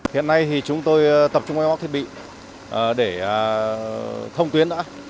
hiện nay thì chúng tôi tập trung vào thiết bị để thông tuyến đã